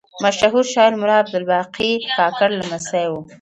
مشهور شاعر ملا عبدالباقي کاکړ لمسی و.